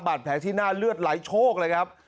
แผลที่หน้าเลือดไหลโชคเลยครับ